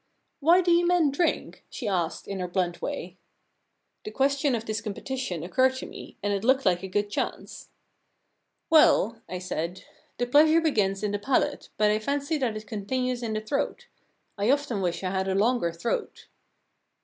*" Why do you men drink ?" she asked in her blunt way. * The question of this competition occurred to me, and it looked like a good chance. *" Well," I said, the pleasure begins in the palate, but I fancy that it continues in the throat. I often wish I had a longer throat.".'